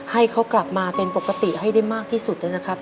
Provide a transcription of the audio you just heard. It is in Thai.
ให้เขากลับมาเป็นปกติให้ได้มากที่สุดนะครับ